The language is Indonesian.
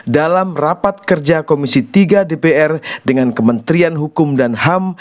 dalam rapat kerja komisi tiga dpr dengan kementerian hukum dan ham